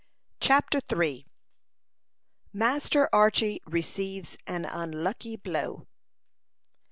CHAPTER III. MASTER ARCHY RECEIVES AN UNLUCKY BLOW.